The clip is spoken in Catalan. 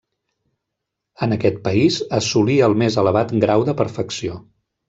En aquest país assolí el més elevat grau de perfecció.